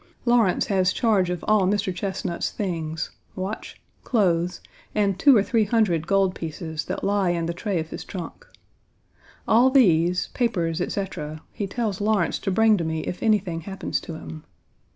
Lawrence has charge of all Mr. Chesnut's things watch, Page 85 clothes, and two or three hundred gold pieces that lie in the tray of his trunk. All these, papers, etc., he tells Lawrence to bring to me if anything happens to him.